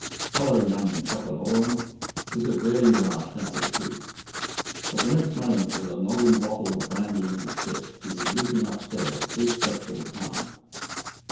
"Hollo, young cockalorum, is it there you are!" shouted Pete. At the next moment, with a noggin bottle of brandy in his fist, he was leaping upstairs, three steps at a time.